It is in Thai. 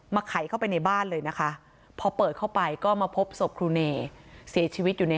มากันก็ไม่ติดคือเหมือนโทรศัพท์โดนติดไป